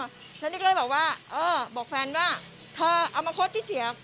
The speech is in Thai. แล้วนี่ก็เลยบอกว่าเออบอกแฟนว่าเธอเอามาโพสต์ที่เสีย